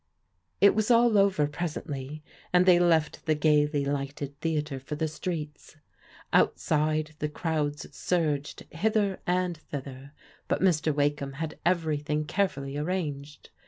It was all over presently, and they left the gaily lighted theatre for the streets. Outside, the crowds surged hither and thither, but Mr. Wakeham had everything carefully arranged.